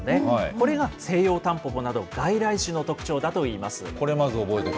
これがセイヨウタンポポなど外来種の特徴だといいます。